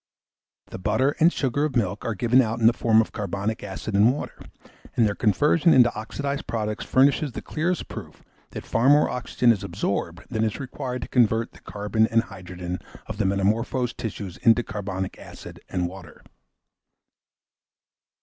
The butter and sugar of milk are given out in the form of carbonic acid and water, and their conversion into oxidised products furnishes the clearest proof that far more oxygen is absorbed than is required to convert the carbon and hydrogen of the metamorphosed tissues into carbonic acid and water.